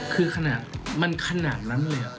คือขนาดมันขนาดนั้นเลย